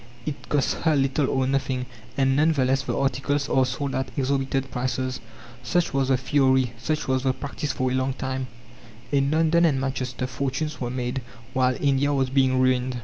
It costs her little or nothing, and none the less the articles are sold at exorbitant prices. Such was the theory such was the practice for a long time. In London and Manchester fortunes were made, while India was being ruined.